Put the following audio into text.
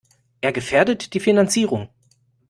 Er gefährdet die Finanzierung.